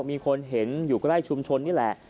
มีคนเห็นอยู่ใกล้ชุมชนนี่แหละ